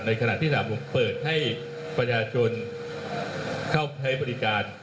ขณะที่สนามหลวงเปิดให้ประชาชนเข้าใช้บริการ